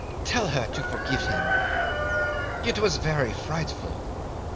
Tell her to forgive him. It was very frightful."